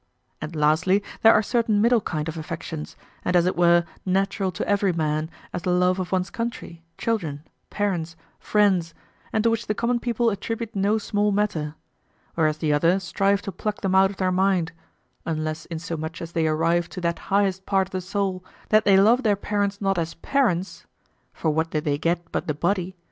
And lastly there are certain middle kind of affections, and as it were natural to every man, as the love of one's country, children, parents, friends, and to which the common people attribute no small matter; whereas the other strive to pluck them out of their mind: unless insomuch as they arrive to that highest part of the soul, that they love their parents not as parents for what did they get but the body?